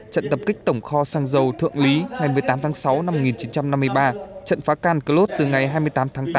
trận tập kích tổng kho sang dầu thượng lý ngày một mươi tám tháng sáu năm một nghìn chín trăm năm mươi ba trận phá can cơ lốt từ ngày hai mươi tám tháng tám